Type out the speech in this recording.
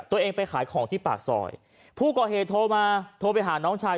ตัวเองไปขายของที่ปากซอยผู้ก่อเหตุโทรมาโทรไปหาน้องชาย